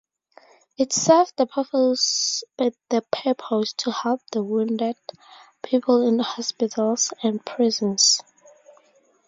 It served the purpose to help the wounded people in hospitals and prisons.